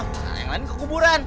yang lain ke kuburan